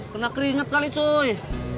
kena keringat kali cuy